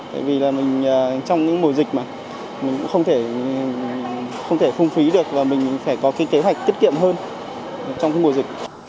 tại vì là mình trong những mùa dịch mà mình cũng không thể không thể phung phí được và mình phải có cái kế hoạch tiết kiệm hơn trong mùa dịch